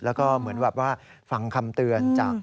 แล้วก็เหมือนแบบว่าฟังคำเตือนจาก